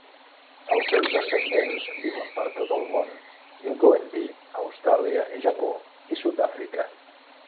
Els seus descendents viuen per tot el món, incloent-hi Austràlia, Japó i Sud-Àfrica.